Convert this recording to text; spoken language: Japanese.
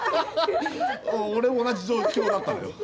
俺も同じ状況だったのよ。